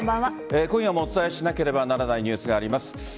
今夜もお伝えしなければならないニュースがあります。